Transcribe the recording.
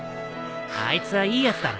あいつはいいやつだな。